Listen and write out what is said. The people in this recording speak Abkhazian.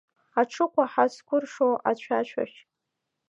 Аҽыкәаҳа зкәыршоу ацәацәашь…